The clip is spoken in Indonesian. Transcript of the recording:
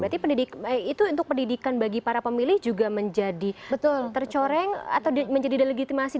berarti itu untuk pendidikan bagi para pemilih juga menjadi tercoreng atau menjadi delegitimasi